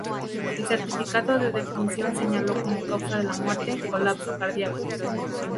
El certificado de defunción señalo como causa de la muerte, "colapso cardíaco".